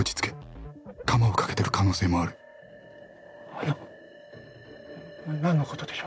あのなんのことでしょうか？